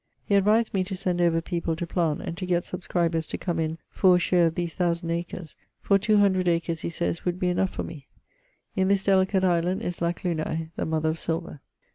He advised me to send over people to plant[AF] and to gett subscribers to come in for a share of these 1000 acres, for 200 acres he sayes would be enough for me. In this delicate island is lac lunae (the mother of silver).